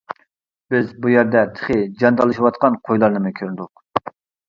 بىز بۇ يەردە تېخى جان تالىشىۋاتقان قويلارنىمۇ كۆردۇق.